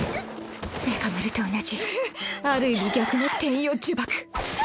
メカ丸と同じある意味逆の天与呪縛。